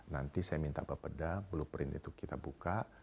nanti saya minta bapak dah blueprint itu kita buka